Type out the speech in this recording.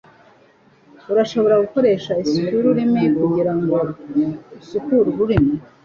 Urashobora gukoresha isuku y'ururimi kugirango usukure ururimi